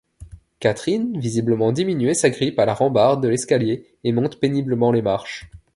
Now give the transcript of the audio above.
Katherine visiblement diminuée s'agrippe à la rambarde de l’escalier et monte péniblement les marches.